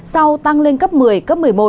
sau tăng lên cấp một mươi cấp một mươi một